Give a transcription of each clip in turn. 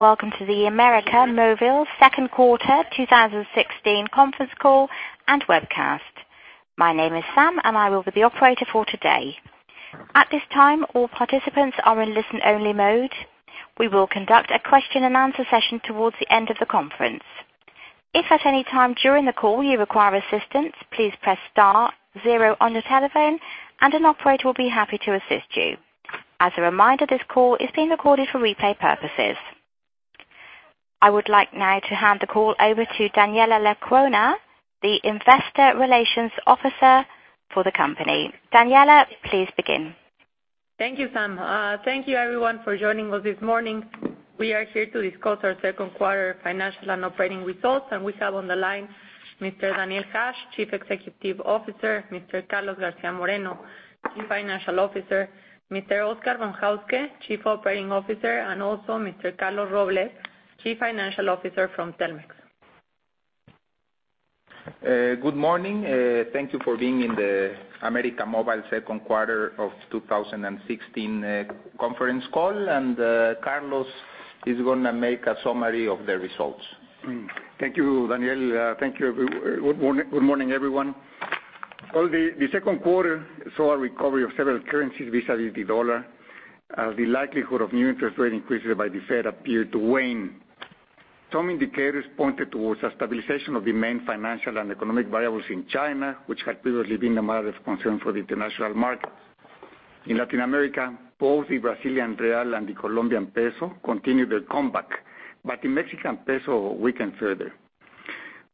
Welcome to the América Móvil second quarter 2016 conference call and webcast. My name is Sam, and I will be the operator for today. At this time, all participants are in listen only mode. We will conduct a question and answer session towards the end of the conference. If at any time during the call you require assistance, please press star zero on your telephone and an operator will be happy to assist you. As a reminder, this call is being recorded for replay purposes. I would like now to hand the call over to Daniela Lecuona, the Investor Relations Officer for the company. Daniela, please begin. Thank you, Sam. Thank you everyone for joining us this morning. We are here to discuss our second quarter financial and operating results. We have on the line Mr. Daniel Hajj, Chief Executive Officer, Mr. Carlos Garcia Moreno, Chief Financial Officer, Mr. Oscar Von Hauske, Chief Operating Officer, and also Mr. Carlos Robles, Chief Financial Officer from Telmex. Good morning. Thank you for being in the América Móvil second quarter of 2016 conference call. Carlos is going to make a summary of the results. Thank you, Daniel. Good morning, everyone. The second quarter saw a recovery of several currencies vis-à-vis the dollar, as the likelihood of new interest rate increases by the Fed appeared to wane. Some indicators pointed towards a stabilization of the main financial and economic variables in China, which had previously been a matter of concern for the international market. In Latin America, both the Brazilian real and the Colombian peso continued their comeback. The Mexican peso weakened further.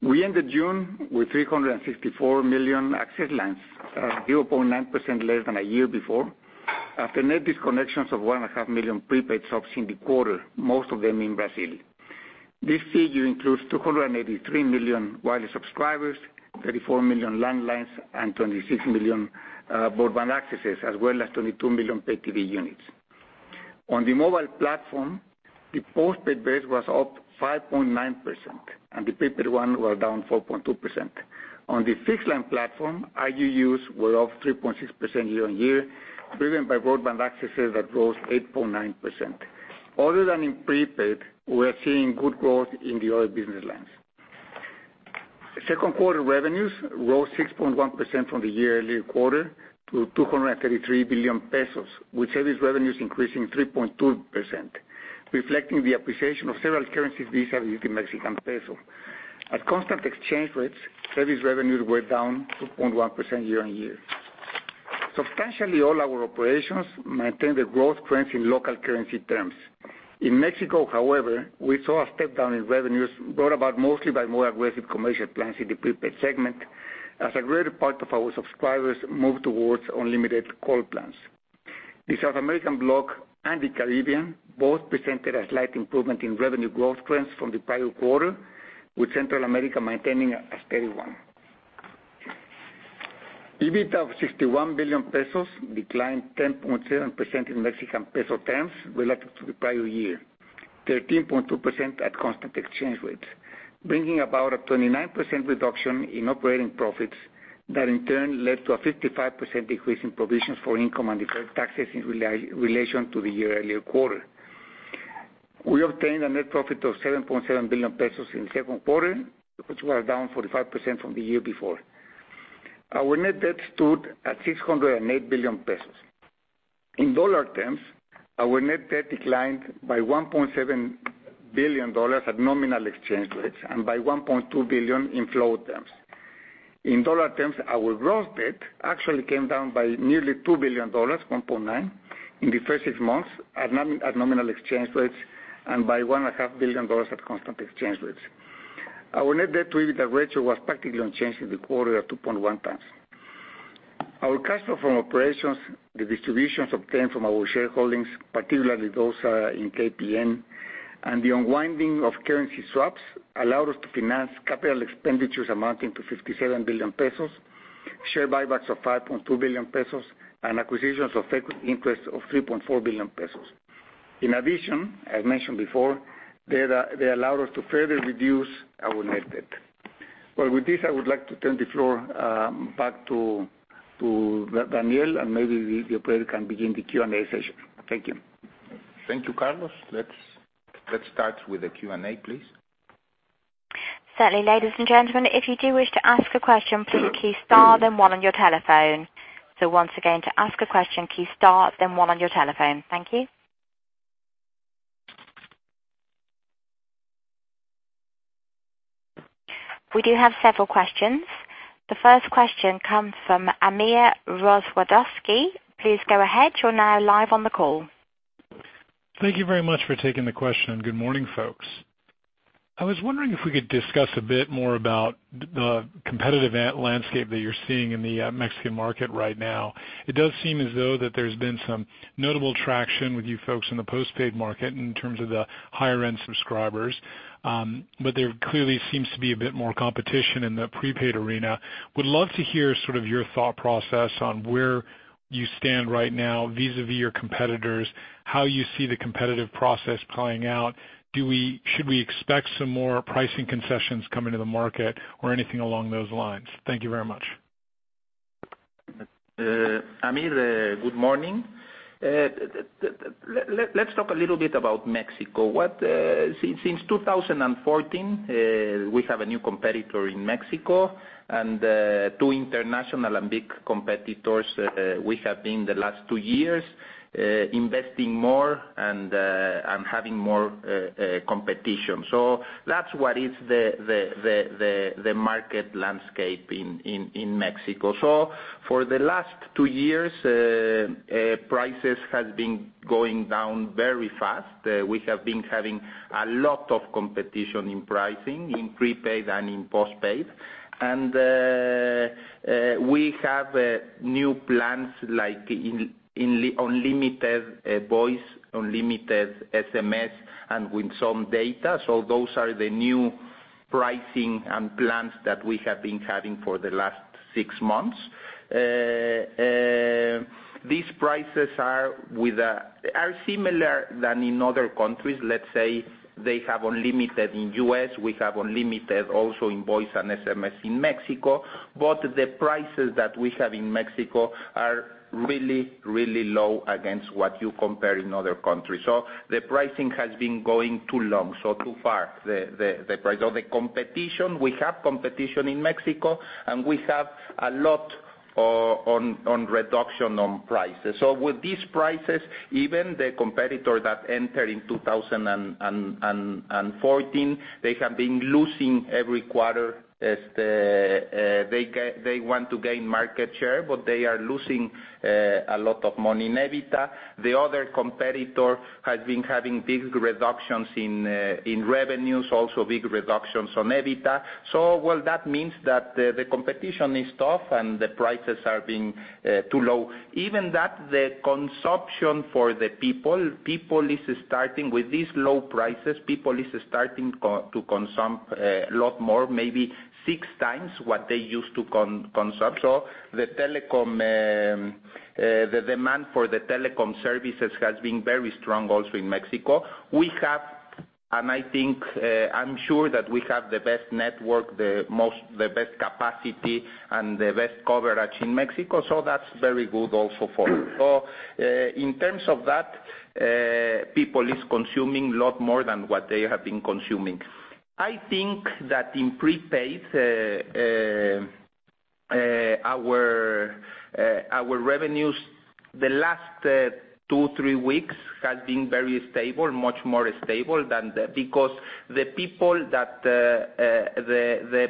We ended June with 364 million access lines, 0.9% less than a year before, after net disconnections of one and a half million prepaid subs in the quarter, most of them in Brazil. This figure includes 283 million wireless subscribers, 34 million landlines, and 26 million broadband accesses, as well as 22 million pay TV units. On the mobile platform, the postpaid base was up 5.9%, and the prepaid were down 4.2%. On the fixed line platform, RGUs were up 3.6% year-on-year, driven by broadband accesses that rose 8.9%. Other than in prepaid, we are seeing good growth in the other business lines. Second quarter revenues rose 6.1% from the year-earlier quarter to 233 billion pesos, with service revenues increasing 3.2%, reflecting the appreciation of several currencies vis-à-vis the Mexican peso. At constant exchange rates, service revenues were down 2.1% year-on-year. Substantially all our operations maintained their growth trends in local currency terms. In Mexico, however, we saw a step down in revenues brought about mostly by more aggressive commercial plans in the prepaid segment, as a greater part of our subscribers moved towards unlimited call plans. The South American block and the Caribbean both presented a slight improvement in revenue growth trends from the prior quarter, with Central America maintaining a steady one. EBITDA of 61 billion pesos declined 10.7% in Mexican peso terms relative to the prior year, 13.2% at constant exchange rates, bringing about a 29% reduction in operating profits that in turn led to a 55% decrease in provisions for income on deferred taxes in relation to the year-earlier quarter. We obtained a net profit of 7.7 billion pesos in the second quarter, which was down 45% from the year before. Our net debt stood at 608 billion pesos. In dollar terms, our net debt declined by $1.7 billion at nominal exchange rates and by $1.2 billion in flow terms. In dollar terms, our gross debt actually came down by nearly $2 billion, $1.9 billion in the first six months at nominal exchange rates and by $1.5 billion at constant exchange rates. Our net debt to EBITDA ratio was practically unchanged in the quarter at 2.1 times. Our cash flow from operations, the distributions obtained from our shareholdings, particularly those in KPN, and the unwinding of currency swaps allowed us to finance capital expenditures amounting to 57 billion pesos, share buybacks of 5.2 billion pesos, and acquisitions of equity interest of 3.4 billion pesos. In addition, as mentioned before, they allowed us to further reduce our net debt. Well, with this, I would like to turn the floor back to Daniel, and maybe the operator can begin the Q&A session. Thank you. Thank you, Carlos. Let's start with the Q&A, please. Certainly. Ladies and gentlemen, if you do wish to ask a question, please key star, then one on your telephone. Once again, to ask a question, key star, then one on your telephone. Thank you. We do have several questions. The first question comes from Amir Rozwadowski. Please go ahead. You're now live on the call. Thank you very much for taking the question. Good morning, folks. I was wondering if we could discuss a bit more about the competitive landscape that you're seeing in the Mexican market right now. It does seem as though that there's been some notable traction with you folks in the postpaid market in terms of the higher-end subscribers. There clearly seems to be a bit more competition in the prepaid arena. Would love to hear sort of your thought process on where you stand right now vis-à-vis your competitors, how you see the competitive process playing out. Should we expect some more pricing concessions coming to the market or anything along those lines? Thank you very much. Amir, good morning. Let's talk a little bit about Mexico. Since 2014, we have a new competitor in Mexico and two international and big competitors. We have been, the last two years, investing more and having more competition. That's what is the market landscape in Mexico. For the last two years, prices have been going down very fast. We have been having a lot of competition in pricing, in prepaid and in postpaid. We have new plans like unlimited voice, unlimited SMS, and with some data. Those are the new pricing and plans that we have been having for the last six months. These prices are similar than in other countries. Let's say they have unlimited in U.S., we have unlimited also in voice and SMS in Mexico. The prices that we have in Mexico are really low against what you compare in other countries. The pricing has been going too long, too far, the price. On the competition, we have competition in Mexico, we have a lot on reduction on prices. With these prices, even the competitor that entered in 2014, they have been losing every quarter. They want to gain market share, but they are losing a lot of money in EBITDA. The other competitor has been having big reductions in revenues, also big reductions on EBITDA. Well, that means that the competition is tough and the prices are being too low. Even that the consumption for the people, with these low prices, people is starting to consume a lot more, maybe six times what they used to consume. The demand for the telecom services has been very strong also in Mexico. That's very good also for us. In terms of that, people is consuming lot more than what they have been consuming. I think that in prepaid, our revenues the last two, three weeks have been very stable, much more stable, because the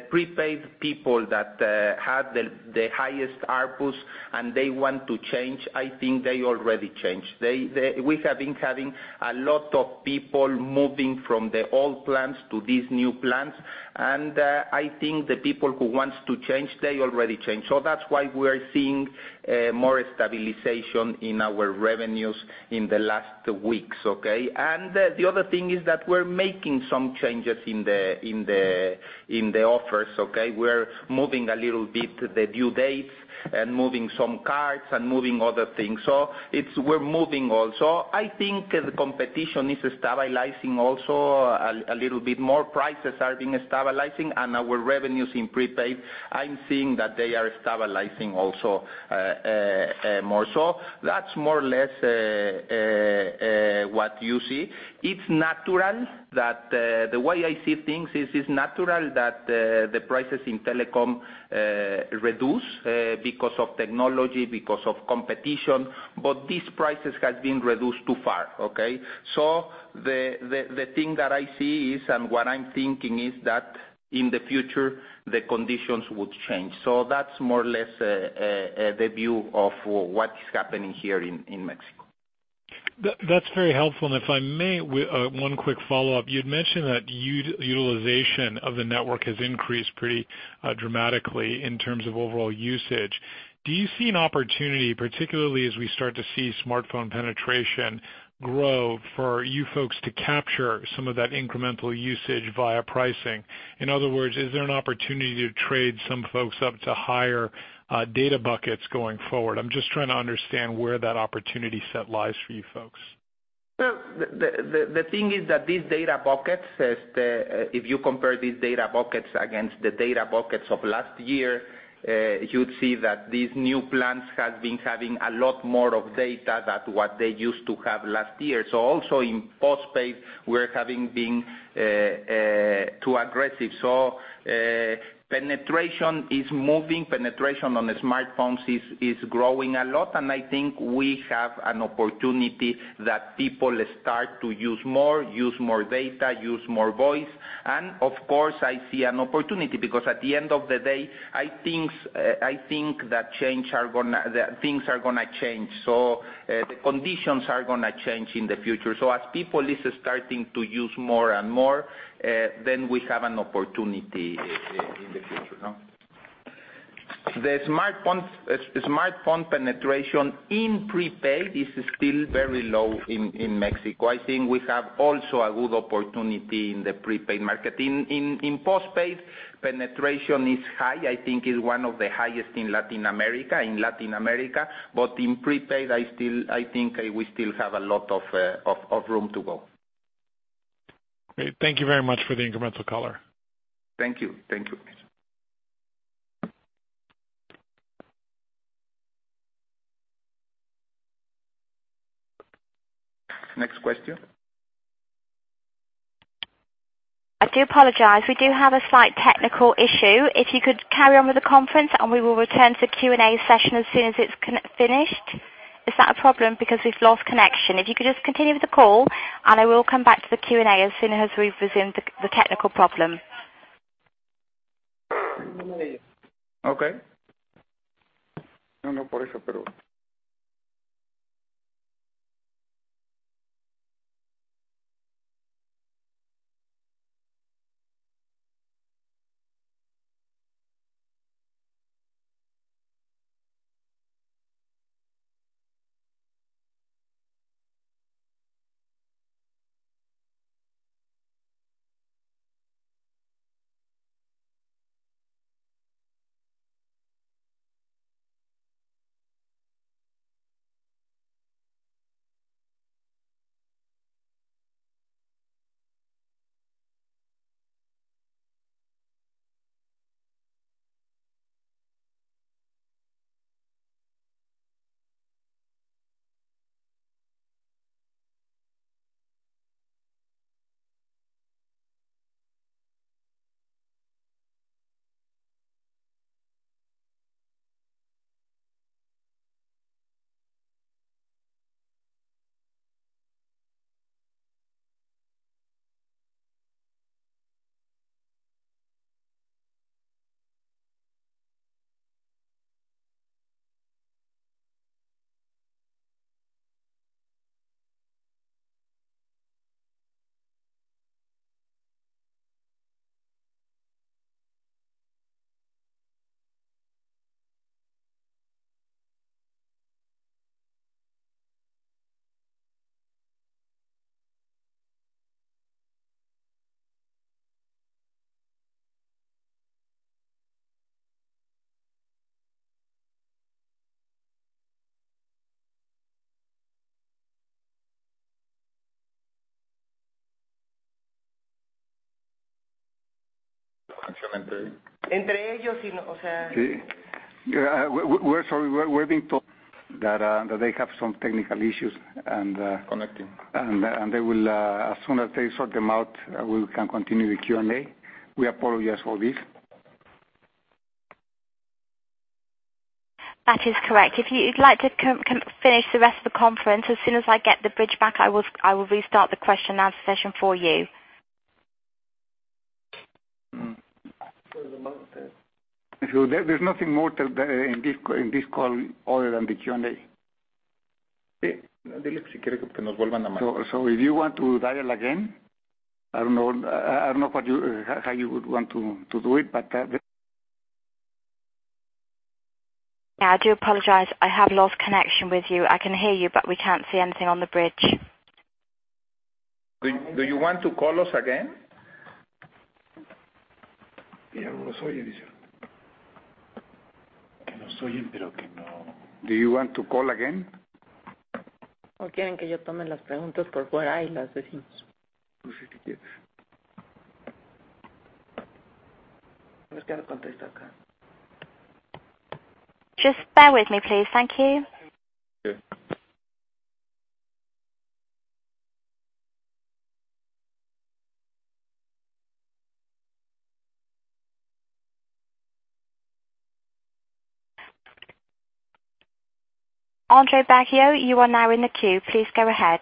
prepaid people that had the highest ARPU and they want to change, I think they already changed. We have been having a lot of people moving from the old plans to these new plans. I think the people who wants to change, they already changed. That's why we are seeing more stabilization in our revenues in the last weeks. Okay? The other thing is that we're making some changes in the offers. Okay? We're moving a little bit the due dates and moving some cards and moving other things. We're moving also. I think the competition is stabilizing also a little bit more. Prices are being stabilizing and our revenues in prepaid, I'm seeing that they are stabilizing also more so. That's more or less what you see. The way I see things, it's natural that the prices in telecom reduce because of technology, because of competition, but these prices have been reduced too far. Okay? The thing that I see is, and what I'm thinking is that in the future, the conditions would change. That's more or less the view of what is happening here in Mexico. That's very helpful. If I may, one quick follow-up. You'd mentioned that utilization of the network has increased pretty dramatically in terms of overall usage. Do you see an opportunity, particularly as we start to see smartphone penetration grow, for you folks to capture some of that incremental usage via pricing? In other words, is there an opportunity to trade some folks up to higher data buckets going forward? I'm just trying to understand where that opportunity set lies for you folks. The thing is that these data buckets, if you compare these data buckets against the data buckets of last year, you'd see that these new plans have been having a lot more of data than what they used to have last year. Also in postpaid, we're having been too aggressive. Penetration is moving. Penetration on the smartphones is growing a lot, I think we have an opportunity that people start to use more, use more data, use more voice. Of course, I see an opportunity because at the end of the day, I think that things are going to change. The conditions are going to change in the future. As people is starting to use more and more, then we have an opportunity in the future. The smartphone penetration in prepaid is still very low in Mexico. I think we have also a good opportunity in the prepaid market. In postpaid, penetration is high. I think it's one of the highest in Latin America. In prepaid, I think we still have a lot of room to go. Great. Thank you very much for the incremental color. Thank you. Next question. I do apologize. We do have a slight technical issue. If you could carry on with the conference, and we will return to Q&A session as soon as it's finished. Is that a problem? We've lost connection. If you could just continue with the call, and I will come back to the Q&A as soon as we've resumed the technical problem. Okay. We're sorry. We're being told that they have some technical issues. Connecting. As soon as they sort them out, we can continue the Q&A. We apologize for this. That is correct. If you'd like to finish the rest of the conference, as soon as I get the bridge back, I will restart the question and answer session for you. There's nothing more in this call other than the Q&A. If you want to dial again, I don't know how you would want to do it. I do apologize. I have lost connection with you. I can hear you, but we can't see anything on the bridge. Do you want to call us again? Do you want to call again? Or Just bear with me, please. Thank you. Sure. Andre Baggio, you are now in the queue. Please go ahead.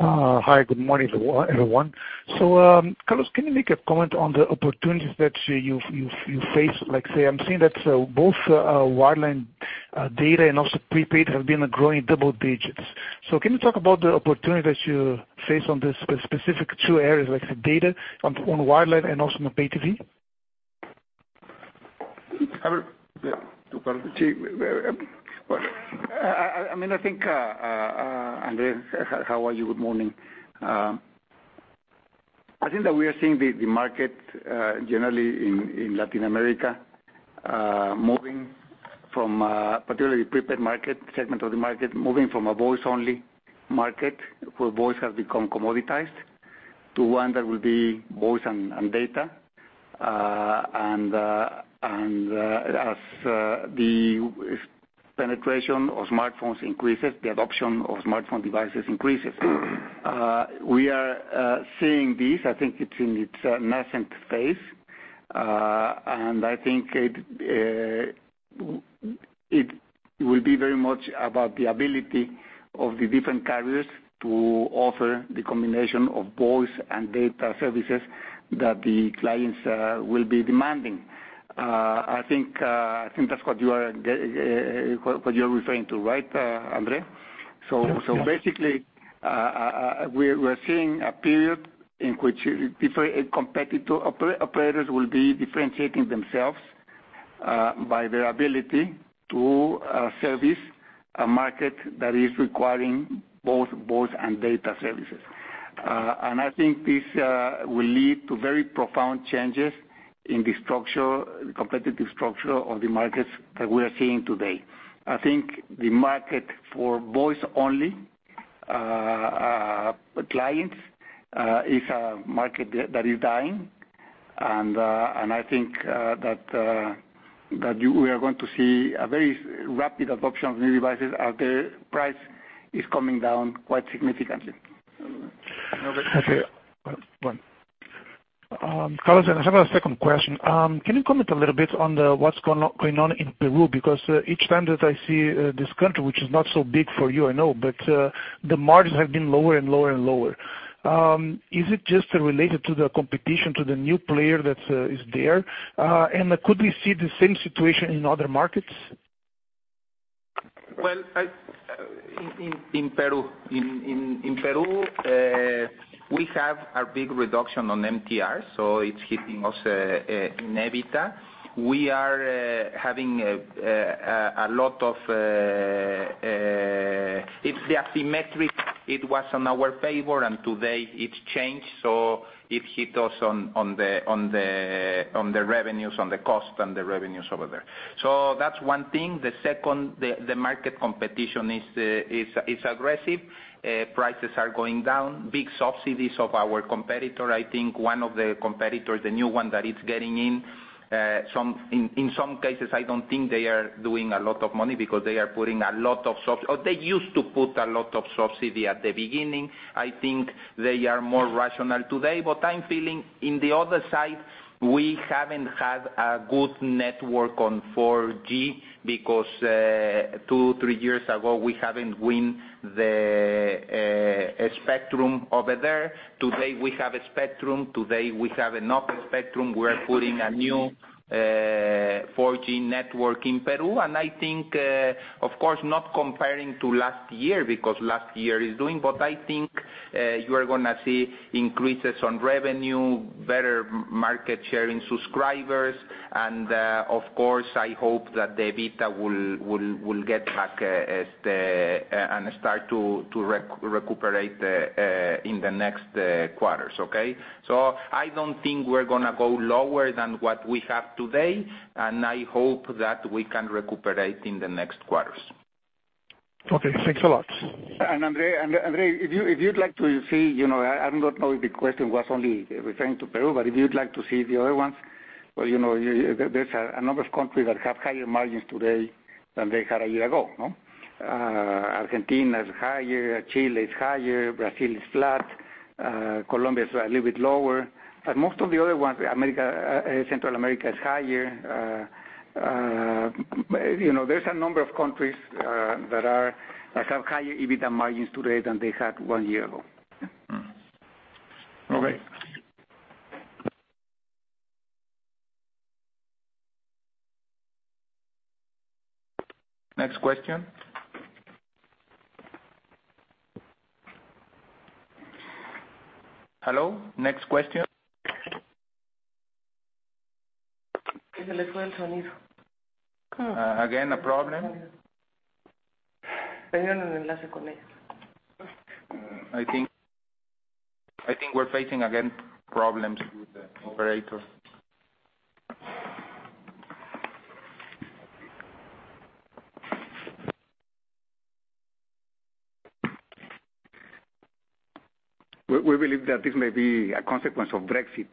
Hi, good morning, everyone. Carlos, can you make a comment on the opportunities that you face? I'm seeing that both wireline data and also prepaid have been growing double digits. Can you talk about the opportunity that you face on the specific two areas like data on wireline and also on pay TV? I mean, I think, Andre, how are you? Good morning. I think that we are seeing the market generally in Latin America, particularly the prepaid market, segment of the market, moving from a voice-only market, where voice has become commoditized, to one that will be voice and data. As the penetration of smartphones increases, the adoption of smartphone devices increases. We are seeing this, I think it's in its nascent phase. I think it will be very much about the ability of the different carriers to offer the combination of voice and data services that the clients will be demanding. I think that's what you're referring to, right, Andre? Yes. Basically, we're seeing a period in which different competitive operators will be differentiating themselves by their ability to service a market that is requiring both voice and data services. I think this will lead to very profound changes in the competitive structure of the markets that we are seeing today. I think the market for voice-only clients is a market that is dying. I think that we are going to see a very rapid adoption of new devices as the price is coming down quite significantly. Carlos, I have a second question. Can you comment a little bit on what's going on in Peru? Each time that I see this country, which is not so big for you, I know, but the margins have been lower and lower. Is it just related to the competition, to the new player that is there? Could we see the same situation in other markets? In Peru we have a big reduction on MTR, it's hitting us in EBITDA. It's the asymmetric. It was in our favor, today it changed, it hit us on the cost and the revenues over there. That's one thing. The second, the market competition is aggressive. Prices are going down. Big subsidies of our competitor. I think one of the competitors, the new one that is getting in some cases, I don't think they are doing a lot of money because they are putting a lot of subsidy at the beginning. I think they are more rational today. I'm feeling on the other side, we haven't had a good network on 4G because two, three years ago, we haven't win the spectrum over there. Today we have a spectrum. Today we have enough spectrum. We are putting a new 4G network in Peru. I think, of course not comparing to last year because last year is doing, I think you are going to see increases on revenue, better market share in subscribers, of course, I hope that the EBITDA will get back and start to recuperate in the next quarters. I don't think we're going to go lower than what we have today, I hope that we can recuperate in the next quarters. Okay, thanks a lot. Andre, if you'd like to see, I don't know if the question was only referring to Peru, if you'd like to see the other ones, well, there's a number of countries that have higher margins today than they had a year ago. Argentina is higher. Chile is higher. Brazil is flat. Colombia is a little bit lower. Most of the other ones, Central America is higher. There's a number of countries that have higher EBITDA margins today than they had one year ago. Okay. Next question. Hello? Next question. Again, a problem. I think we're facing, again, problems with the operator. We believe that this may be a consequence of Brexit.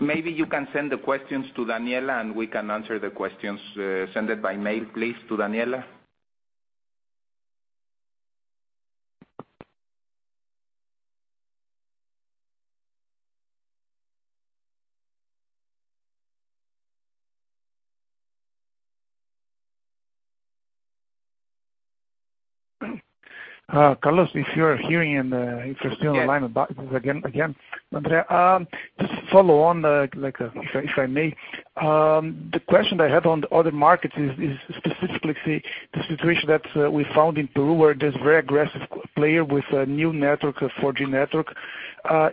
Maybe you can send the questions to Daniela, we can answer the questions. Send it by mail, please, to Daniela. Carlos, if you're hearing if you're still online about this again. To follow on the, if I may, the question I have on the other markets is specifically the situation that we found in Peru, where there's very aggressive player with a new 4G network.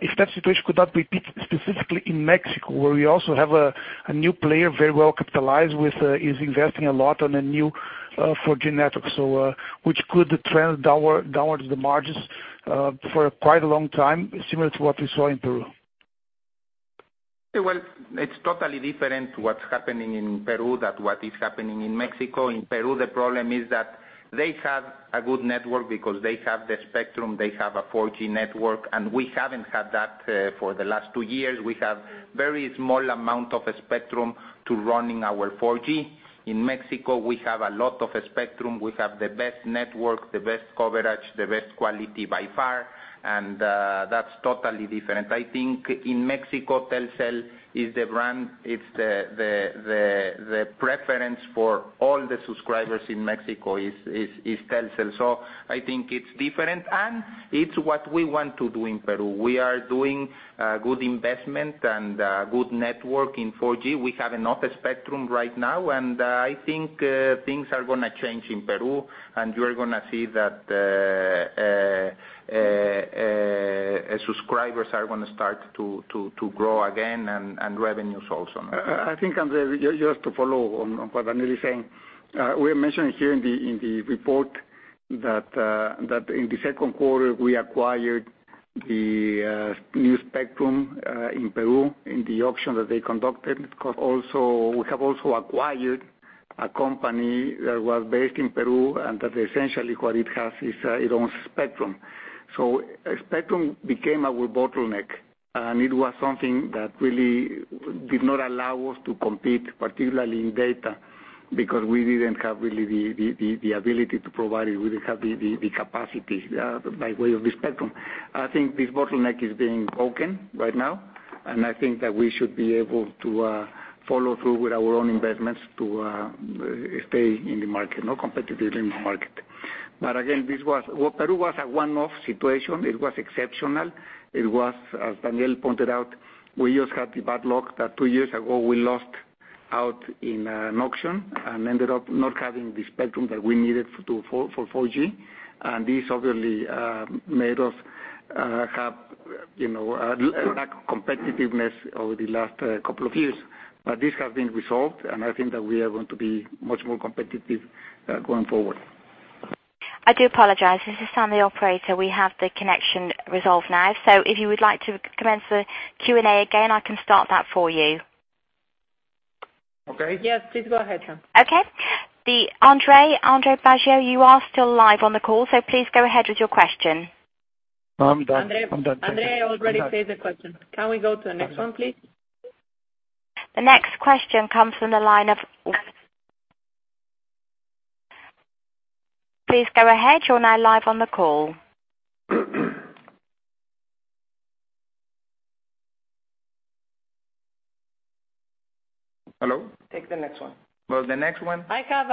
If that situation could not repeat specifically in Mexico, where we also have a new player, very well capitalized with is investing a lot on a new 4G network. Which could trend downward the margins for quite a long time, similar to what we saw in Peru. It is totally different what is happening in Peru than what is happening in Mexico. In Peru, the problem is that they have a good network because they have the spectrum. They have a 4G network, we haven't had that for the last 2 years. We have very small amount of spectrum to run our 4G. In Mexico, we have a lot of spectrum. We have the best network, the best coverage, the best quality by far, that is totally different. I think in Mexico, Telcel is the brand. The preference for all the subscribers in Mexico is Telcel. I think it is different, it is what we want to do in Peru. We are doing good investment and good network in 4G. We have enough spectrum right now, I think things are going to change in Peru, you are going to see that subscribers are going to start to grow again and revenues also. I think, Andre, just to follow on what Daniel is saying. We are mentioning here in the report that in the Q2, we acquired the new spectrum in Peru in the auction that they conducted. We have also acquired a company that was based in Peru, that essentially what it has is it owns spectrum. Spectrum became our bottleneck, it was something that really did not allow us to compete, particularly in data, because we didn't have really the ability to provide it. We didn't have the capacity by way of the spectrum. I think this bottleneck is being broken right now, I think that we should be able to follow through with our own investments to stay in the market, competitive in the market. Again, Peru was a one-off situation. It was exceptional. It was, as Daniel pointed out, we just had the bad luck that 2 years ago we lost out in an auction and ended up not having the spectrum that we needed for 4G. This obviously made us lack competitiveness over the last couple of years. This has been resolved, I think that we are going to be much more competitive going forward. I do apologize. This is Tammy, operator. We have the connection resolved now. If you would like to commence the Q&A again, I can start that for you. Okay. Yes, please go ahead, Tammy. Okay. Andre Baggio, you are still live on the call. Please go ahead with your question. No, I'm done. Thank you. Andre already said the question. Can we go to the next one, please? The next question comes from the line of. Please go ahead. You're now live on the call. Hello? Take the next one. Well, the next one. I have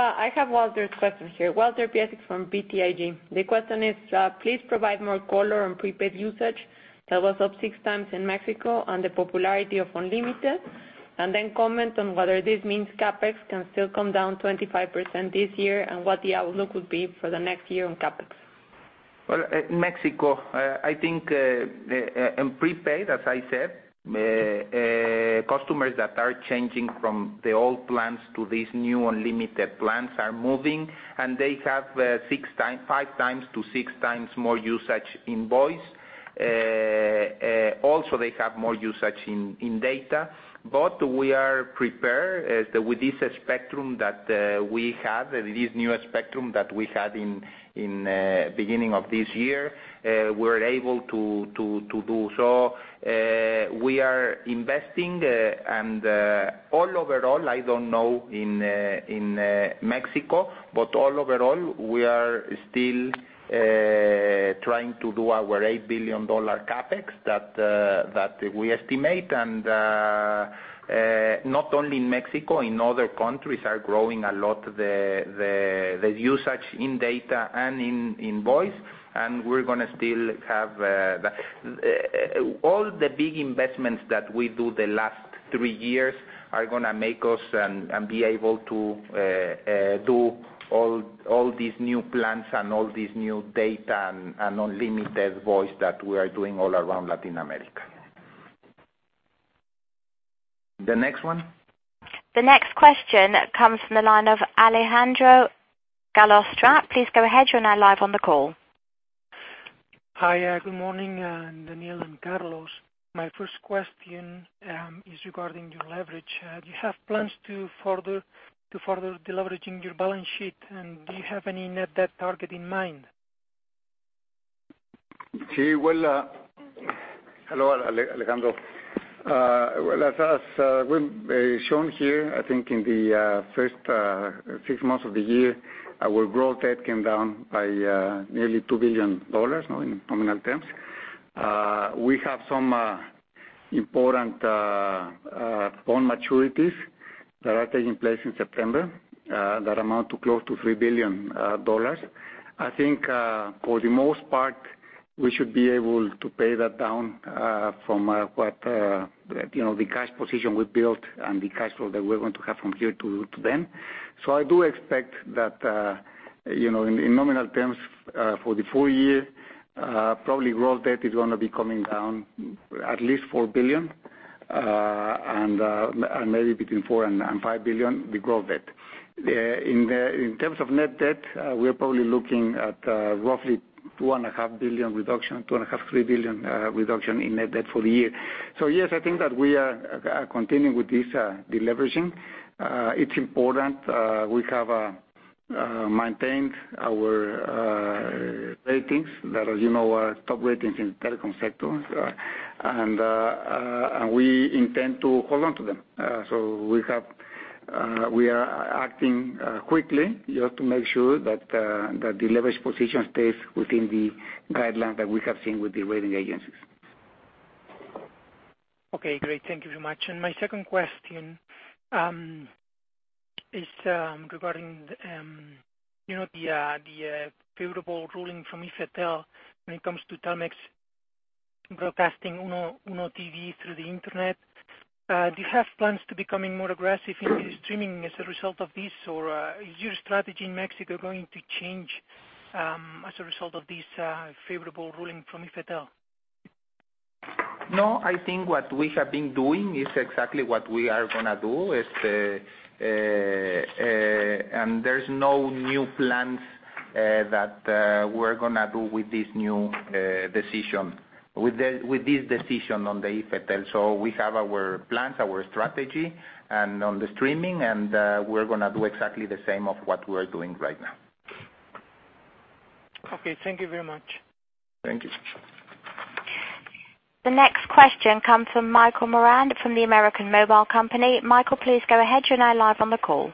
Walter Piecyk's question here. Walter Piecyk from BTIG. The question is, please provide more color on prepaid usage that was up six times in Mexico and the popularity of unlimited, and then comment on whether this means CapEx can still come down 25% this year, and what the outlook would be for the next year on CapEx. Well, in Mexico, I think in prepaid, as I said, customers that are changing from the old plans to these new unlimited plans are moving, and they have five times to six times more usage in voice. Also, they have more usage in data. We are prepared with this spectrum that we have, this new spectrum that we had in beginning of this year. We're able to do so. We are investing and all overall, I don't know in Mexico, but all overall, we are still trying to do our MXN 8 billion CapEx that we estimate. Not only in Mexico, in other countries are growing a lot the usage in data and in voice. All the big investments that we do the last three years are going to make us and be able to do all these new plans and all these new data and unlimited voice that we are doing all around Latin America. The next one. The next question comes from the line of Alejandro Gallostra. Please go ahead. You're now live on the call. Hi. Good morning, Daniel and Carlos. My first question is regarding your leverage. Do you have plans to further deleveraging your balance sheet, and do you have any net debt target in mind? Hello, Alejandro. As we've shown here, I think in the first six months of the year, our gross debt came down by nearly $2 billion in nominal terms. We have some important bond maturities that are taking place in September that amount to close to $3 billion. I think, for the most part, we should be able to pay that down from the cash position we built and the cash flow that we're going to have from here to then. I do expect that, in nominal terms for the full year, probably gross debt is going to be coming down at least $4 billion, and maybe between $4 billion and $5 billion with gross debt. In terms of net debt, we're probably looking at roughly $2.5 billion reduction, $2.5 billion-$3 billion reduction in net debt for the year. Yes, I think that we are continuing with this deleveraging. It's important. We have maintained our ratings that are top ratings in the telecom sector, and we intend to hold on to them. We are acting quickly just to make sure that the leverage position stays within the guidelines that we have seen with the rating agencies. Okay, great. Thank you so much. My second question is regarding the favorable ruling from IFT when it comes to Telmex broadcasting Uno TV through the internet? Do you have plans to becoming more aggressive in streaming as a result of this? Is your strategy in Mexico going to change as a result of this favorable ruling from IFT? No, I think what we have been doing is exactly what we are going to do. There's no new plans that we're going to do with this new decision on the IFETEL. We have our plans, our strategy, and on the streaming, we're going to do exactly the same of what we're doing right now. Okay. Thank you very much. Thank you. The next question comes from Michel Morin from Morgan Stanley. Michel, please go ahead. You're now live on the call.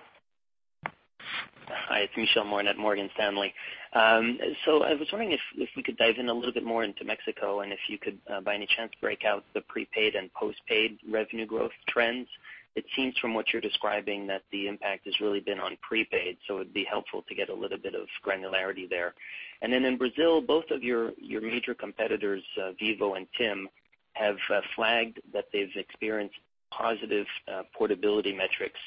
Hi, it's Michel Morin at Morgan Stanley. I was wondering if we could dive in a little bit more into Mexico, and if you could, by any chance, break out the prepaid and postpaid revenue growth trends. It seems from what you're describing that the impact has really been on prepaid, it'd be helpful to get a little bit of granularity there. In Brazil, both of your major competitors, Vivo and TIM, have flagged that they've experienced positive portability metrics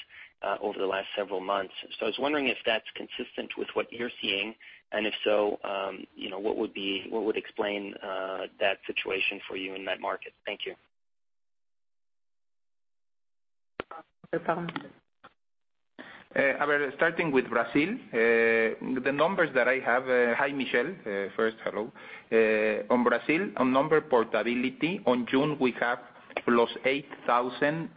over the last several months. I was wondering if that's consistent with what you're seeing, and if so, what would explain that situation for you in that market? Thank you. Starting with Brazil, Hi, Michel. First, hello. On Brazil, on number portability, on June we have lost 8,000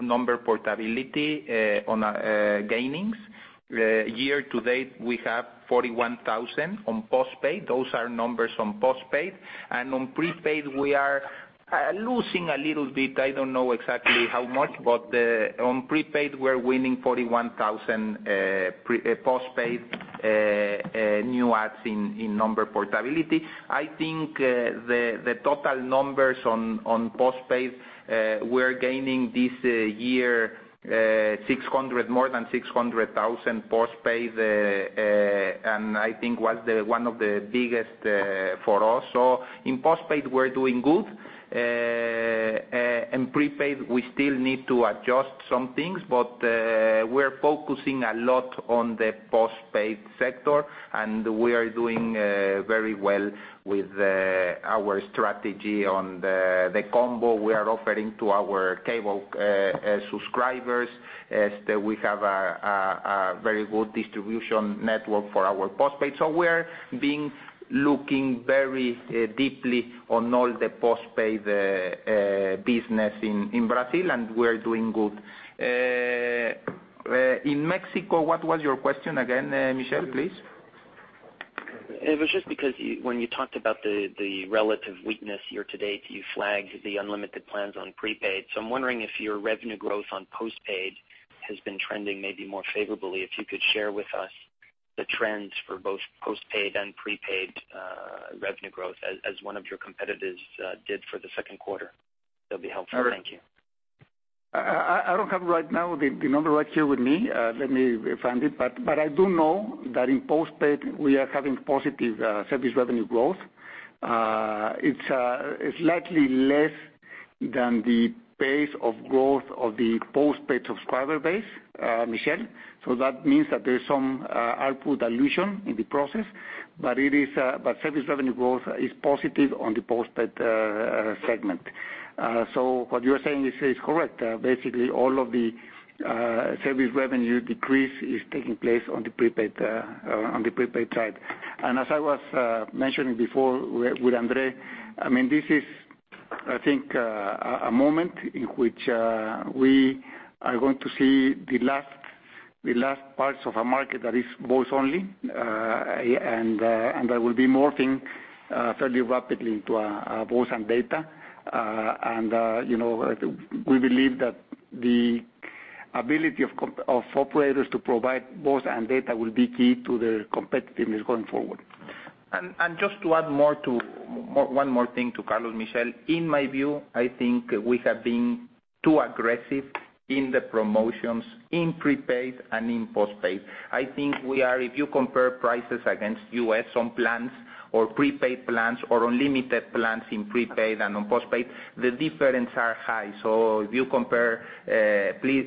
number portability on our gainings. Year to date, we have 41,000 on postpaid. Those are numbers on postpaid. On prepaid, we are losing a little bit. I don't know exactly how much, on prepaid, we're winning 41,000 postpaid new adds in number portability. I think the total numbers on postpaid, we're gaining this year more than 600,000 postpaid, I think was the one of the biggest for us. In postpaid, we're doing good. In prepaid, we still need to adjust some things, we're focusing a lot on the postpaid sector, we are doing very well with our strategy on the combo we are offering to our cable subscribers, as we have a very good distribution network for our postpaid. We're being looking very deeply on all the postpaid business in Brazil, we're doing good. In Mexico, what was your question again, Michel, please? It was just because when you talked about the relative weakness year to date, you flagged the unlimited plans on prepaid. I'm wondering if your revenue growth on postpaid has been trending maybe more favorably. If you could share with us the trends for both postpaid and prepaid revenue growth as one of your competitors did for the second quarter, that'd be helpful. Thank you. I don't have right now the number right here with me. Let me find it. I do know that in postpaid we are having positive service revenue growth. It's slightly less than the pace of growth of the postpaid subscriber base, Michel. That means that there's some ARPU dilution in the process. Service revenue growth is positive on the postpaid segment. What you're saying is correct. Basically, all of the service revenue decrease is taking place on the prepaid side. As I was mentioning before with Andre, this is I think a moment in which we are going to see the last parts of a market that is voice only, and that will be morphing fairly rapidly into voice and data. We believe that the ability of operators to provide voice and data will be key to their competitiveness going forward. Just to add one more thing to Carlos, Michel. In my view, I think we have been too aggressive in the promotions in prepaid and in postpaid. I think if you compare prices against U.S. on plans or prepaid plans or unlimited plans in prepaid and on postpaid, the difference are high. If you compare, please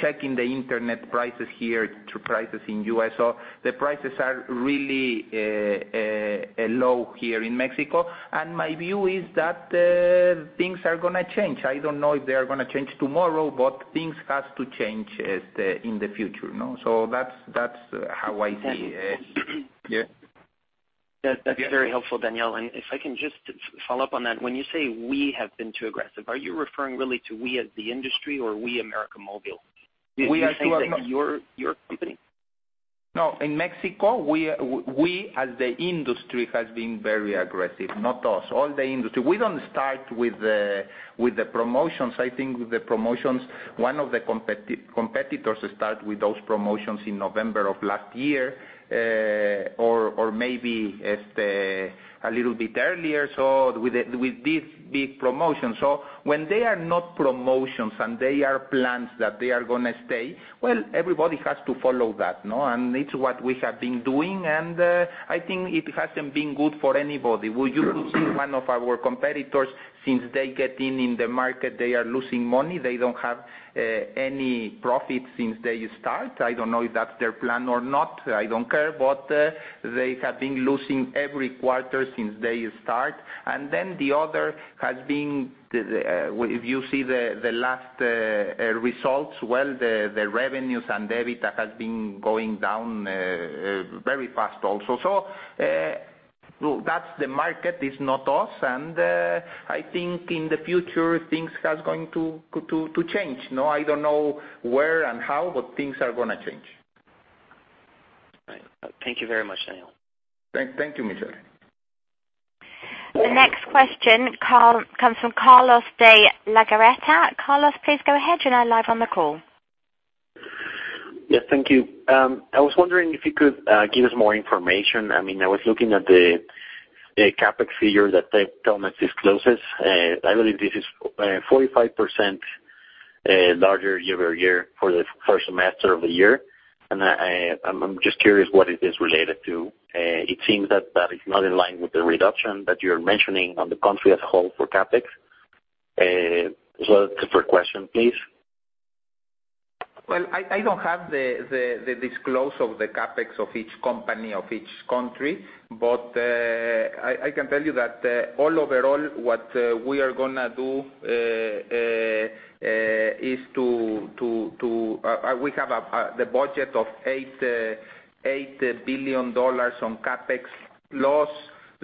check in the internet prices here to prices in U.S. The prices are really low here in Mexico, my view is that things are going to change. I don't know if they are going to change tomorrow, things have to change in the future. That's how I see. That's very helpful, Daniel. If I can just follow up on that. When you say we have been too aggressive, are you referring really to we as the industry or we América Móvil? Are you saying that your company? No. In Mexico, we as the industry has been very aggressive, not us. All the industry. We don't start with the promotions. I think with the promotions, one of the competitors start with those promotions in November of last year, or maybe a little bit earlier. With this big promotion. When they are not promotions and they are plans that they are going to stay, well, everybody has to follow that. It's what we have been doing, I think it hasn't been good for anybody. You could see one of our competitors, since they get in in the market, they are losing money. They don't have any profit since they start. I don't know if that's their plan or not. I don't care. They have been losing every quarter since they start. The other has been, if you see the last results, well, the revenues and EBITDA has been going down very fast also. That's the market, it's not us. I think in the future things are going to change. I don't know where and how, things are going to change. All right. Thank you very much, Daniel. Thank you, Michel. The next question comes from Carlos de Legarreta. Carlos, please go ahead. You're now live on the call. Yes. Thank you. I was wondering if you could give us more information. I was looking at the CapEx figure that Telmex discloses, I believe this is 45% larger year-over-year for the first semester of the year, I'm just curious what it is related to. As well as the third question, please. Well, I don't have the disclosure of the CapEx of each company, of each country, but I can tell you that all overall, what we are going to do is we have the budget of MXN 8 billion on CapEx. Plus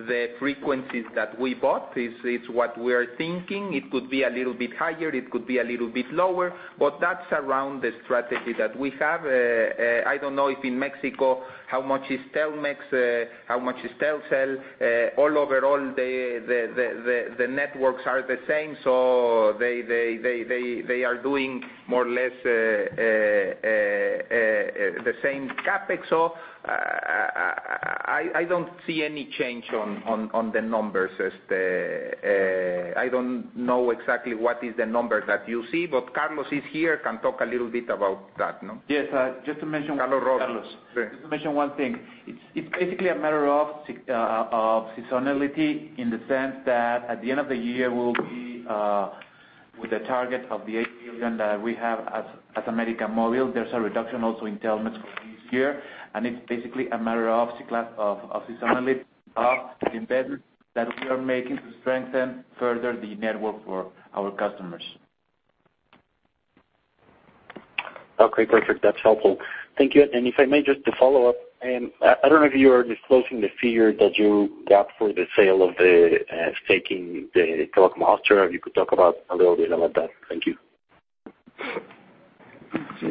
the frequencies that we bought. It's what we are thinking. It could be a little bit higher, it could be a little bit lower, but that's around the strategy that we have. I don't know if in Mexico, how much is Telmex, how much is Telcel. All overall, the networks are the same, they are doing more or less the same CapEx. I don't see any change on the numbers. I don't know exactly what is the number that you see, but Carlos is here, can talk a little bit about that. Yes. Just to mention- Carlos Rob Carlos. Sure. Just to mention one thing. It's basically a matter of seasonality in the sense that at the end of the year, we'll be with a target of the 8 billion that we have as América Móvil. There's a reduction also in Telmex for this year. It's basically a matter of seasonality of investment that we are making to strengthen further the network for our customers. Okay, perfect. That's helpful. Thank you. If I may just to follow up, I don't know if you are disclosing the figure that you got for the sale of the staking the Telekom Austria, if you could talk about a little bit about that. Thank you. As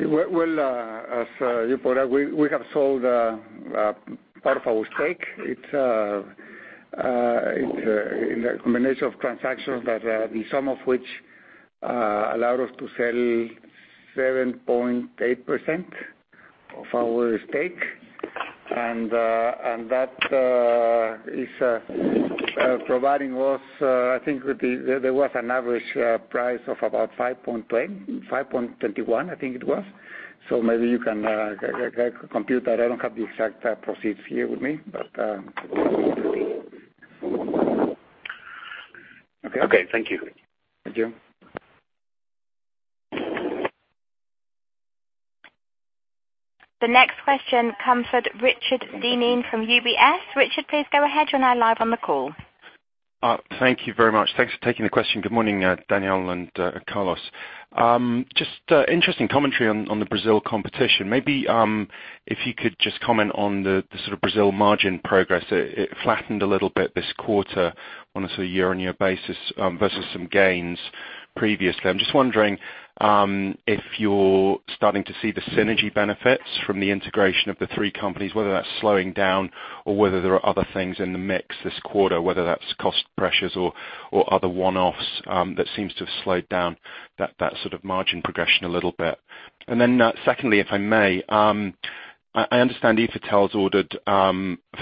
you put up, we have sold part of our stake. It's in a combination of transactions that the sum of which allowed us to sell 7.8% of our stake. That is providing us, I think there was an average price of about 5.20, 5.21. Maybe you can compute that. I don't have the exact proceeds here with me, but okay. Okay. Thank you. Thank you. The next question comes from Richard Dineen from UBS. Richard, please go ahead. You're now live on the call. Thank you very much. Thanks for taking the question. Good morning, Daniel and Carlos. Just interesting commentary on the Brazil competition. Maybe if you could just comment on the sort of Brazil margin progress. It flattened a little bit this quarter on a year-on-year basis versus some gains previously. I'm just wondering if you're starting to see the synergy benefits from the integration of the three companies, whether that's slowing down or whether there are other things in the mix this quarter, whether that's cost pressures or other one-offs that seems to have slowed down that sort of margin progression a little bit. Then secondly, if I may, I understand IFT's ordered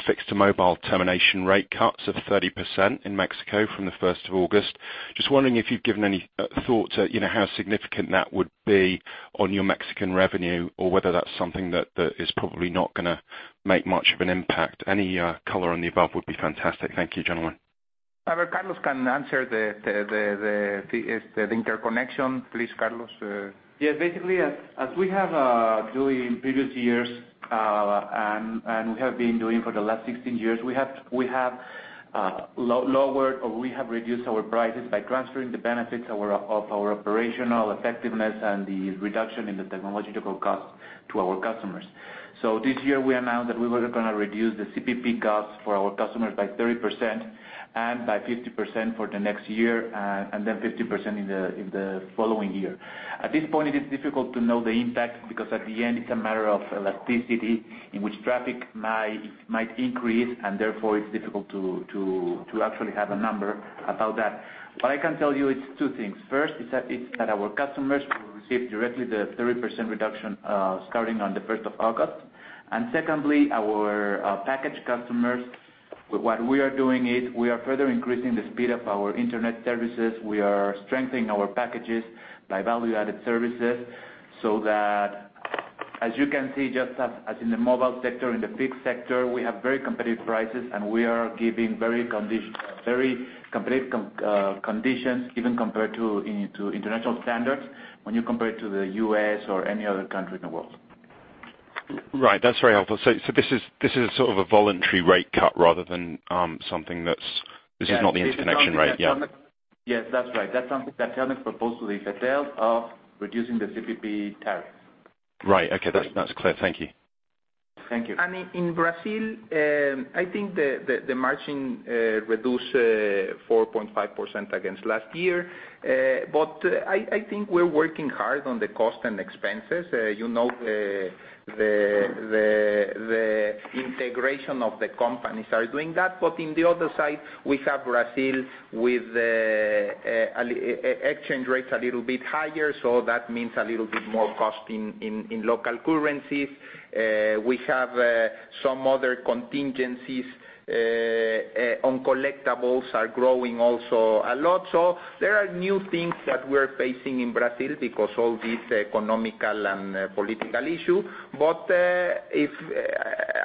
fixed to mobile termination rate cuts of 30% in Mexico from the 1st of August. Just wondering if you've given any thought to how significant that would be on your Mexican revenue, or whether that's something that is probably not going to make much of an impact. Any color on the above would be fantastic. Thank you, gentlemen. Carlos can answer the interconnection. Please, Carlos. Yes. Basically, as we have doing in previous years, and we have been doing for the last 16 years, we have lowered or we have reduced our prices by transferring the benefits of our operational effectiveness and the reduction in the technological cost to our customers. This year we announced that we were going to reduce the CPP cost for our customers by 30% and by 50% for the next year, and then 50% in the following year. At this point, it is difficult to know the impact because at the end, it's a matter of elasticity in which traffic might increase and therefore it's difficult to actually have a number about that. What I can tell you, it's two things. First, it's that our customers will receive directly the 30% reduction starting on the 1st of August. Secondly, our package customers, what we are doing is we are further increasing the speed of our internet services. We are strengthening our packages by value-added services, so that as you can see, just as in the mobile sector, in the fixed sector, we have very competitive prices and we are giving very complete conditions even compared to international standards when you compare it to the U.S. or any other country in the world. Right. That's very helpful. This is sort of a voluntary rate cut rather than something that's. This is not the interconnection rate. Yeah. Yes, that's right. That's something that Telmex proposed to IFT of reducing the CPP tariff. Right. Okay. That's clear. Thank you. Thank you. In Brazil, I think the margin reduced 4.5% against last year. I think we're working hard on the cost and expenses. The integration of the companies are doing that. On the other side, we have Brazil with exchange rates a little bit higher, so that means a little bit more cost in local currencies. We have some other contingencies. Uncollectables are growing also a lot. There are new things that we're facing in Brazil because all these economic and political issue.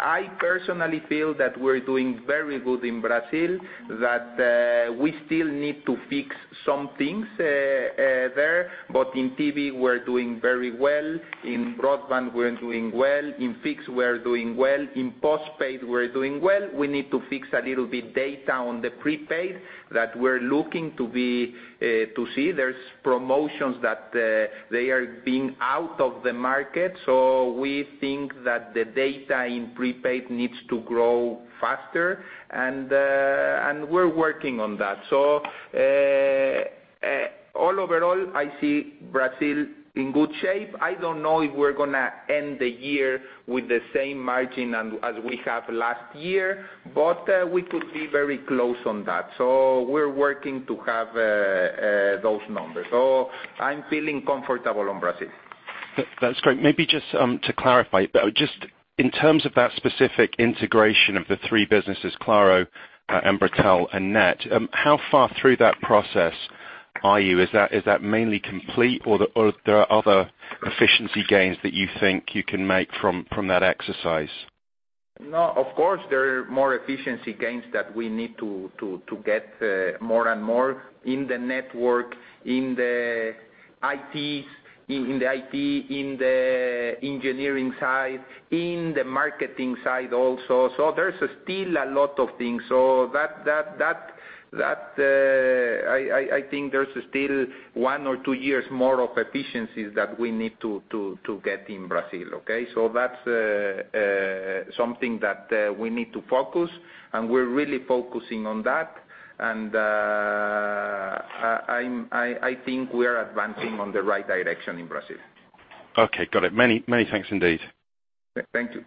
I personally feel that we're doing very good in Brazil, that we still need to fix some things there. In TV, we're doing very well. In broadband, we're doing well. In fixed, we're doing well. In postpaid, we're doing well. We need to fix a little bit data on the prepaid that we're looking to see. There's promotions that they are being out of the market. We think that the data in prepaid needs to grow faster, and we're working on that. All overall, I see Brazil in good shape. I don't know if we're going to end the year with the same margin as we have last year, but we could be very close on that. We're working to have those numbers. I'm feeling comfortable on Brazil. That's great. Maybe just to clarify, just in terms of that specific integration of the three businesses, Claro, Embratel, and Net, how far through that process are you? Is that mainly complete, or there are other efficiency gains that you think you can make from that exercise? No, of course, there are more efficiency gains that we need to get more and more in the network, in the IT, in the engineering side, in the marketing side also. There's still a lot of things. I think there's still one or two years more of efficiencies that we need to get in Brazil, okay? That's something that we need to focus, and we're really focusing on that. I think we are advancing on the right direction in Brazil. Okay, got it. Many thanks indeed. Thank you.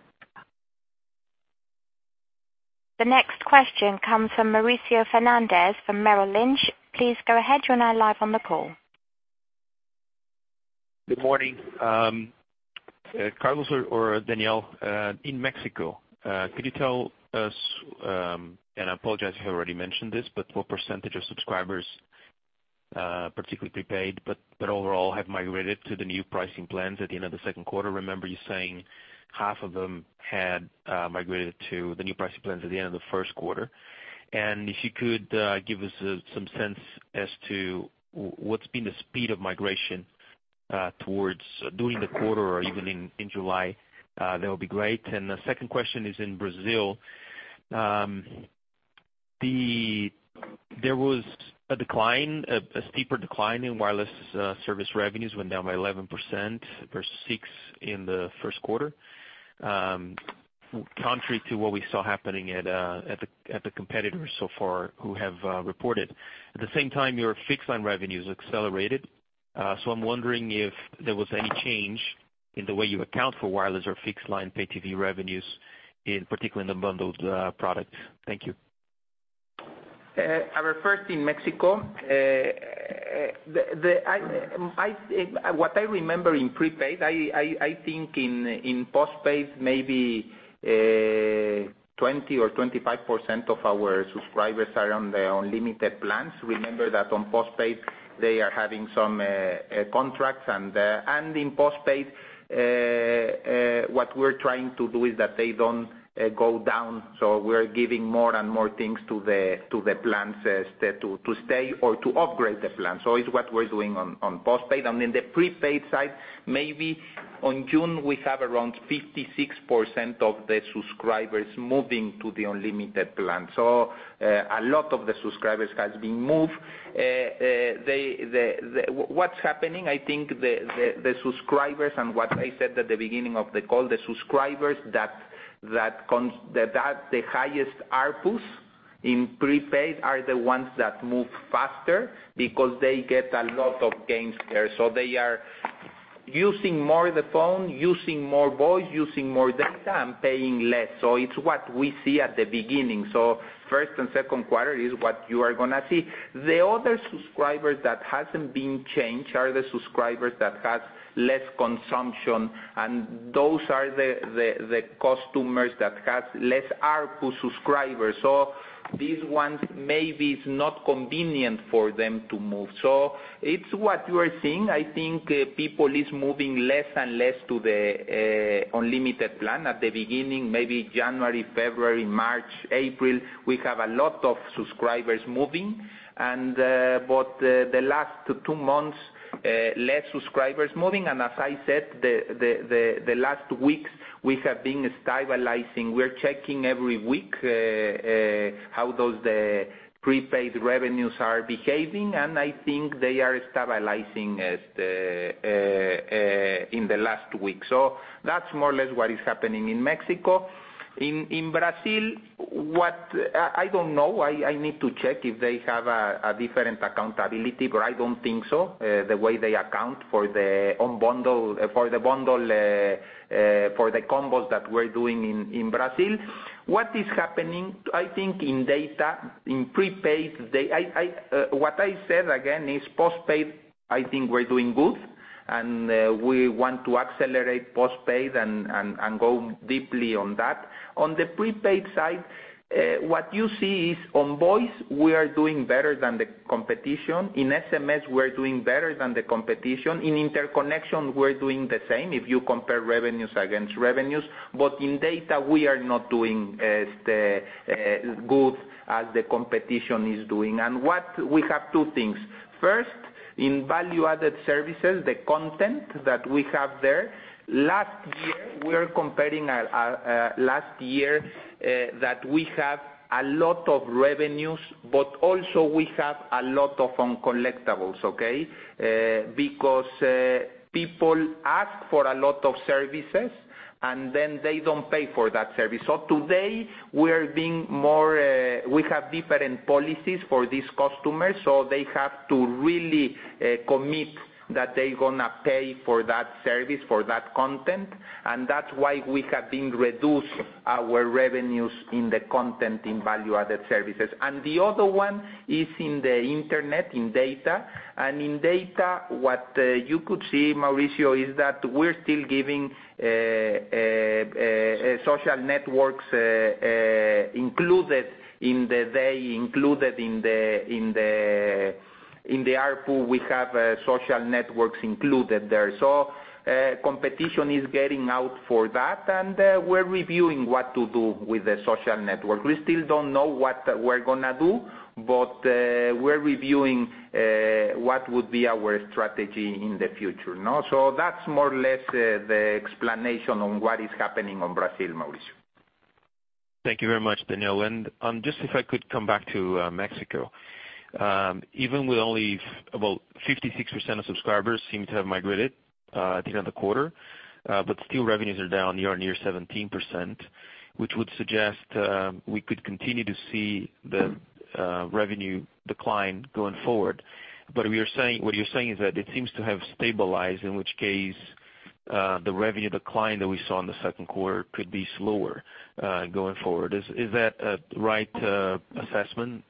The next question comes from Mauricio Fernandes from Merrill Lynch. Please go ahead. You're now live on the call. Good morning. Carlos or Daniel, in Mexico, could you tell us, and I apologize if you already mentioned this, but what percentage of subscribers, particularly prepaid, but overall have migrated to the new pricing plans at the end of the second quarter? I remember you saying half of them had migrated to the new pricing plans at the end of the first quarter. If you could give us some sense as to what's been the speed of migration towards during the quarter or even in July, that would be great. The second question is in Brazil. There was a steeper decline in wireless service revenues went down by 11% versus 6% in the first quarter. Contrary to what we saw happening at the competitors so far who have reported. At the same time, your fixed line revenues accelerated. I'm wondering if there was any change in the way you account for wireless or fixed line pay TV revenues, in particular in the bundled product. Thank you. First in Mexico, what I remember in prepaid, I think in postpaid maybe 20% or 25% of our subscribers are on the unlimited plans. Remember that on postpaid, they are having some contracts. In postpaid, what we're trying to do is that they don't go down. We're giving more and more things to the plans to stay or to upgrade the plan. It's what we're doing on postpaid. In the prepaid side, maybe on June, we have around 56% of the subscribers moving to the unlimited plan. A lot of the subscribers has been moved. What's happening, I think the subscribers and what I said at the beginning of the call, the subscribers that the highest ARPU in prepaid are the ones that move faster because they get a lot of gains there. They are using more the phone, using more voice, using more data, and paying less. It's what we see at the beginning. First and second quarter is what you are going to see. The other subscribers that hasn't been changed are the subscribers that has less consumption, and those are the customers that has less ARPU subscribers. These ones, maybe it's not convenient for them to move. It's what you are seeing. I think people is moving less and less to the unlimited plan. At the beginning, maybe January, February, March, April, we have a lot of subscribers moving. The last two months, less subscribers moving. As I said, the last weeks, we have been stabilizing. We're checking every week how those prepaid revenues are behaving, and I think they are stabilizing in the last week. That's more or less what is happening in Mexico. In Brazil, I don't know. I need to check if they have a different accountability, but I don't think so, the way they account for the combos that we're doing in Brazil. What is happening, I think in data, in prepaid, what I said again is postpaid, I think we're doing good and we want to accelerate postpaid and go deeply on that. On the prepaid side, what you see is on voice, we are doing better than the competition. In SMS, we're doing better than the competition. In interconnection, we're doing the same if you compare revenues against revenues. In data, we are not doing as good as the competition is doing. We have two things. First, in value-added services, the content that we have there. Last year, we are comparing last year that we have a lot of revenues, but also we have a lot of uncollectables, okay. People ask for a lot of services and then they don't pay for that service. Today we have different policies for these customers, so they have to really commit that they're going to pay for that service, for that content. That's why we have been reducing our revenues in the content in value-added services. The other one is in the internet, in data. In data, what you could see, Mauricio, is that we're still giving social networks included in the ARPU. We have social networks included there. Competition is getting out for that, and we're reviewing what to do with the social network. We still don't know what we're going to do, but we're reviewing what would be our strategy in the future. That's more or less the explanation on what is happening on Brazil, Mauricio. Thank you very much, Daniel. Just if I could come back to Mexico. Even with only about 56% of subscribers seem to have migrated at the end of the quarter, but still revenues are down year-over-year 17%, which would suggest we could continue to see the revenue decline going forward. What you're saying is that it seems to have stabilized, in which case, the revenue decline that we saw in the second quarter could be slower going forward. Is that a right assessment?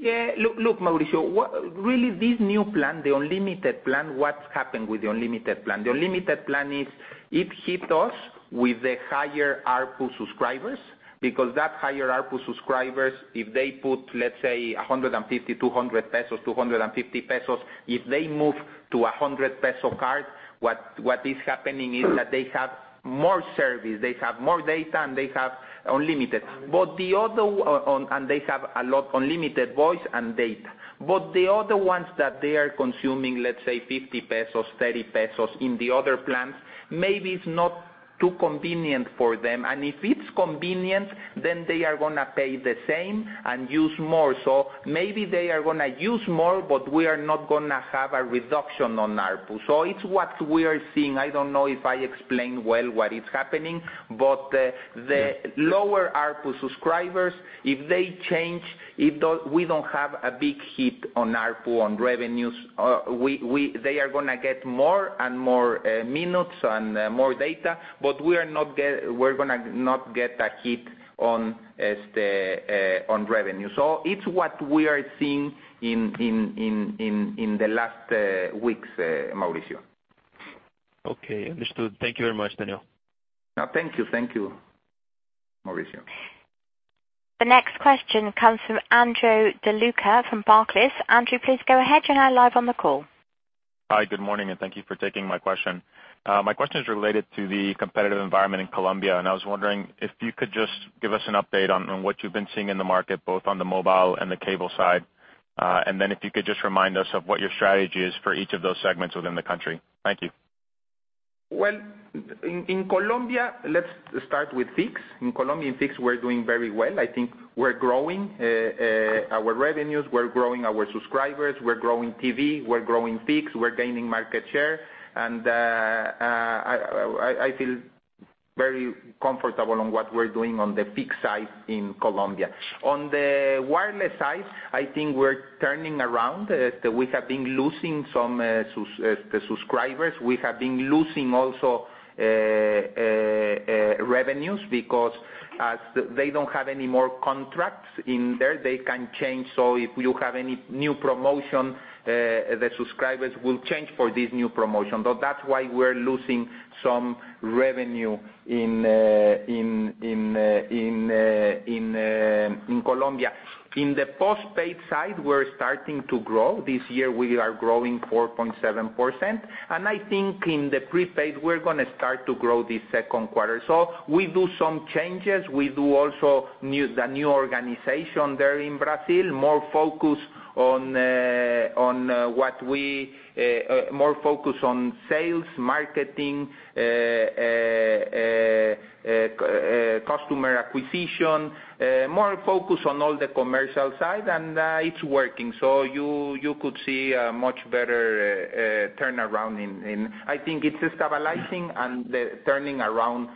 Yeah. Look, Mauricio, really this new plan, the unlimited plan, what's happened with the unlimited plan? The unlimited plan is it hit us with the higher ARPU subscribers, because that higher ARPU subscribers, if they put, let's say 150, 200 pesos, 250 pesos, if they move to a 100 peso card, what is happening is that they have more service, they have more data, and they have unlimited. They have a lot unlimited voice and data. The other ones that they are consuming, let's say 50 pesos, 30 pesos in the other plans, maybe it's not too convenient for them. If it's convenient, then they are going to pay the same and use more. Maybe they are going to use more, but we are not going to have a reduction on ARPU. It's what we are seeing. I don't know if I explained well what is happening, the lower ARPU subscribers, if they change, we don't have a big hit on ARPU on revenues. They are going to get more and more minutes and more data, but we're going to not get a hit on revenue. It's what we are seeing in the last weeks, Mauricio. Understood. Thank you very much, Daniel. Thank you. Thank you, Mauricio. The next question comes from Andrew DeLuca from Barclays. Andrew, please go ahead. You're now live on the call. Hi, good morning, and thank you for taking my question. My question is related to the competitive environment in Colombia. I was wondering if you could just give us an update on what you've been seeing in the market, both on the mobile and the cable side. If you could just remind us of what your strategy is for each of those segments within the country. Thank you. In Colombia, let's start with fixed. In Colombia, in fixed, we're doing very well. I think we're growing our revenues. We're growing our subscribers. We're growing TV. We're growing fixed. We're gaining market share. I feel very comfortable on what we're doing on the fixed side in Colombia. On the wireless side, I think we're turning around. We have been losing some subscribers. We have been losing also revenues because as they don't have any more contracts in there, they can change. If you have any new promotion, the subscribers will change for this new promotion. That's why we're losing some revenue in Colombia. In the postpaid side, we're starting to grow. This year we are growing 4.7%. I think in the prepaid, we're going to start to grow this second quarter. We do some changes. We do also the new organization there in Brazil, more focus on sales, marketing, customer acquisition, more focus on all the commercial side, and it's working. You could see a much better turnaround in. I think it's stabilizing and turning around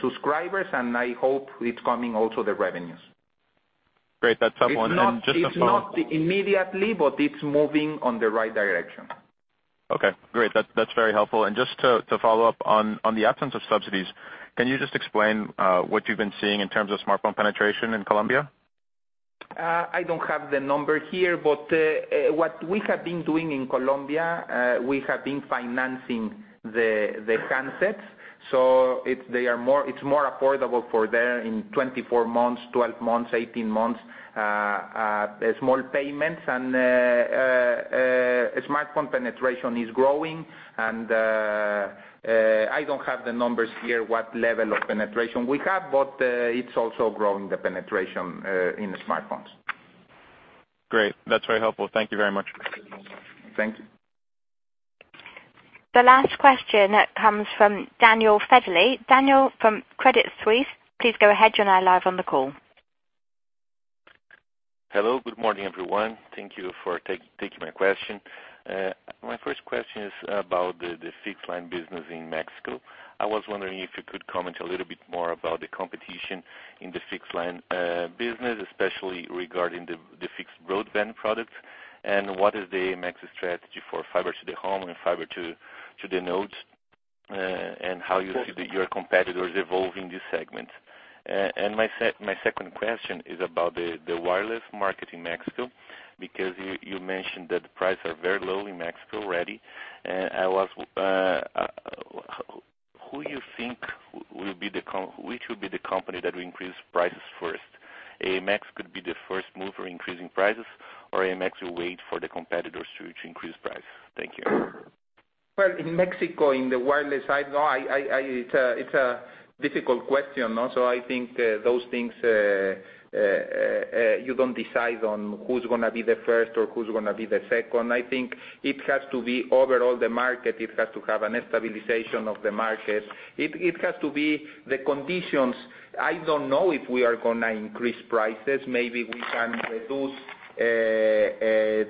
subscribers, and I hope it's coming also the revenues. Great. That's helpful. Just a follow-up. It's not immediately, but it's moving on the right direction. Okay, great. That's very helpful. Just to follow up on the absence of subsidies, can you just explain what you've been seeing in terms of smartphone penetration in Colombia? I don't have the number here, but what we have been doing in Colombia, we have been financing the handsets. It's more affordable for them in 24 months, 12 months, 18 months, small payments, and smartphone penetration is growing. I don't have the numbers here, what level of penetration we have, but it's also growing the penetration in the smartphones. Great. That's very helpful. Thank you very much. Thank you. The last question comes from Daniel Federle. Daniel from Credit Suisse, please go ahead. You're now live on the call. Hello. Good morning, everyone. Thank you for taking my question. My first question is about the fixed line business in Mexico. I was wondering if you could comment a little bit more about the competition in the fixed line business, especially regarding the fixed broadband product, and what is the AMX strategy for fiber to the home and fiber to the node, and how you see your competitors evolving this segment. My second question is about the wireless market in Mexico, because you mentioned that the prices are very low in Mexico already. Who you think which will be the company that will increase prices first? AMX could be the first move for increasing prices, or AMX will wait for the competitors to increase price. Thank you. Well, in Mexico, in the wireless side, it's a difficult question. I think those things, you don't decide on who's gonna be the first or who's gonna be the second. I think it has to be overall the market. It has to have a stabilization of the market. It has to be the conditions. I don't know if we are gonna increase prices. Maybe we can reduce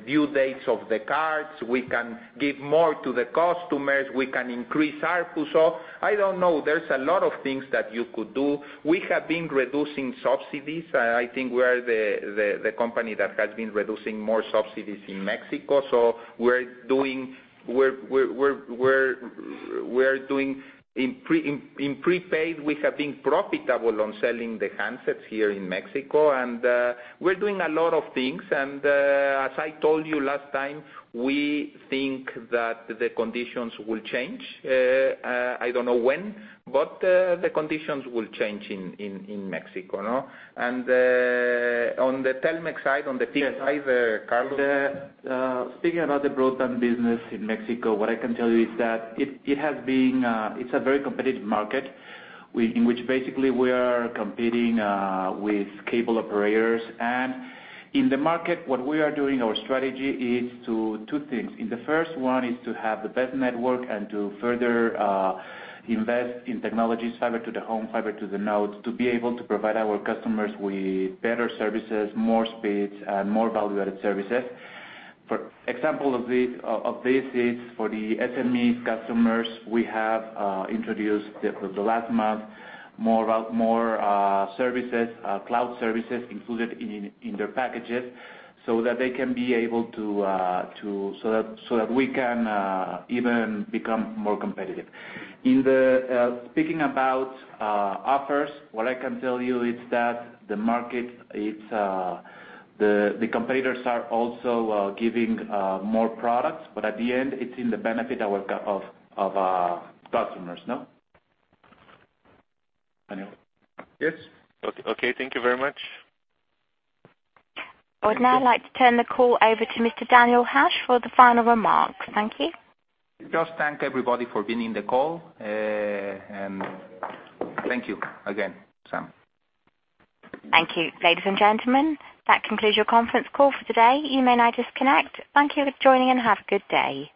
due dates of the cards. We can give more to the customers. We can increase ARPU. I don't know. There's a lot of things that you could do. We have been reducing subsidies. I think we are the company that has been reducing more subsidies in Mexico. We're doing in prepaid, we have been profitable on selling the handsets here in Mexico, and we're doing a lot of things. As I told you last time, we think that the conditions will change. I don't know when, but the conditions will change in Mexico. On the Telmex side, on the fixed side, Carlos. Speaking about the broadband business in Mexico, what I can tell you is that it's a very competitive market, in which basically we are competing with cable operators. In the market, what we are doing, our strategy is two things. In the first one is to have the best network and to further invest in technology, fiber to the home, fiber to the node, to be able to provide our customers with better services, more speeds, and more value-added services. For example of this is for the SME customers, we have introduced, the last month, more services, cloud services included in their packages, so that we can even become more competitive. Speaking about offers, what I can tell you is that the competitors are also giving more products, but at the end, it's in the benefit of our customers. Daniel. Yes. Okay. Thank you very much. I would now like to turn the call over to Mr. Daniel Hajj for the final remarks. Thank you. Just thank everybody for being in the call, and thank you again, Sam. Thank you. Ladies and gentlemen, that concludes your conference call for today. You may now disconnect. Thank you for joining, and have a good day.